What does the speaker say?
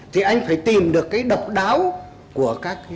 thì anh phải tìm được cái độc đáo của các tiếp cận đó